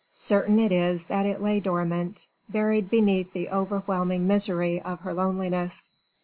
Certain it is that it lay dormant buried beneath the overwhelming misery of her loneliness.